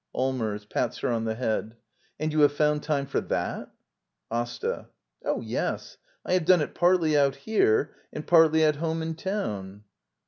Allmers. [Pats her on the head.] And you have found time for thatf Asta. Oh, yes. I have done it partly out here and partly at home in town.